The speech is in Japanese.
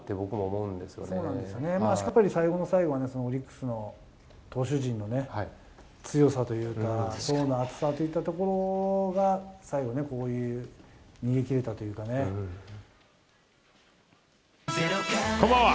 そうなんですよね、最後の最後は、オリックスの投手陣のね、強さというか、層の厚さといったところが、最後ね、こういう逃げこんばんは。